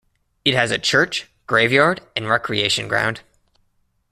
It has a church, graveyard and recreation ground.